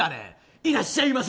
いらっしゃいませ！